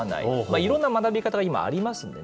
いろんな学び方が今、ありますんでね。